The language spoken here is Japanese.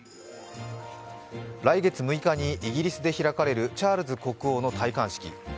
来月６日にイギリスで開かれるチャールズ国王の戴冠式。